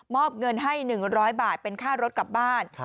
อบเงินให้๑๐๐บาทเป็นค่ารถกลับบ้าน